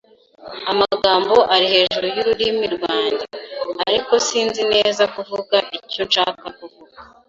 Amagambo ari hejuru yururimi rwanjye, ariko sinzi neza kuvuga icyo nshaka kuvuga